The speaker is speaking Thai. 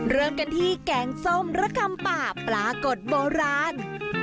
เริ่มกันที่แกงส้มระกำป่าปลากดโบราณ